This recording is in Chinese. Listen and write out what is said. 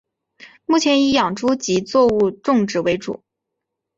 目前以养猪及作物种植为主。